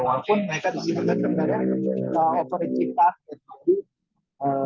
walaupun mereka disimpan sebenarnya